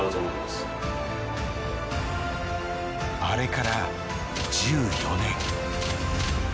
あれから１４年。